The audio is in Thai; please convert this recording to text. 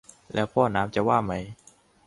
แล้วพ่อน้ำจะว่าไหม